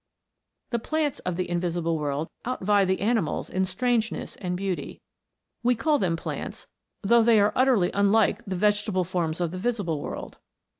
The plants of the invisible world outvie the ani mals in strangeness and beauty. We call them plants, though they are utterly unlike the vegetable forms of the visible world.